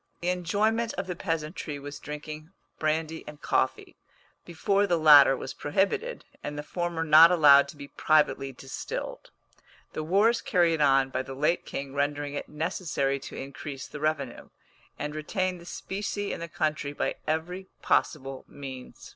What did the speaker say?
The enjoyment of the peasantry was drinking brandy and coffee, before the latter was prohibited, and the former not allowed to be privately distilled, the wars carried on by the late king rendering it necessary to increase the revenue, and retain the specie in the country by every possible means.